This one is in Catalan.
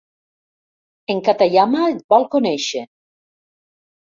En Katayama et vol conèixer!